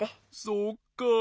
そっかあ。